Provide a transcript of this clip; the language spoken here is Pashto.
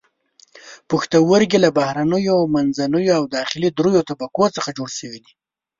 پښتورګي له بهرنیو، منځنیو او داخلي دریو طبقو څخه جوړ شوي دي.